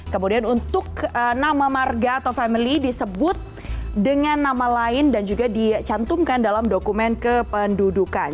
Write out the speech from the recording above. kemudian untuk nama marga atau family disebut dengan nama lain dan juga dicantumkan dalam dokumen kependudukan